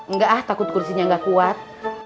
nggak ah takut kursinya nggak kuat